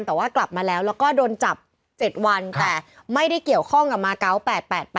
แต่ว่ากลับมาแล้วแล้วก็โดนจับ๗วันแต่ไม่ได้เกี่ยวข้องกับมาเกาะ๘๘